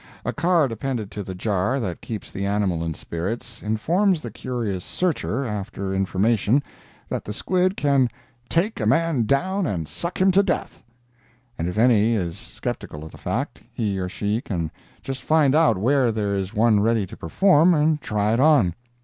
A card appended to the jar that keeps the animal in spirits, informs the curious searcher after information that the squid can "take a man down and suck him to death." And if any is skeptical of the fact, he or she can just find out where there is one ready to perform, and try it on.